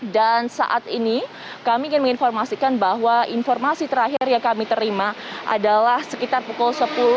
dan saat ini kami ingin menginformasikan bahwa informasi terakhir yang kami terima adalah sekitar pukul sepuluh